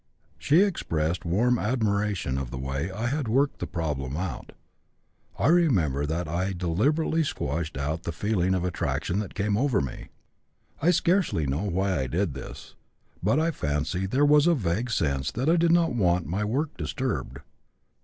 She expressed warm admiration of the way I had worked the problem out. I remember that I deliberately squashed out the feeling of attraction that came over me. I scarcely know why I did this; but I fancy there was a vague sense that I did not want my work disturbed.